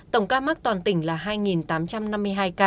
tổng ca mắc toàn tỉnh là hai tám trăm năm mươi hai ca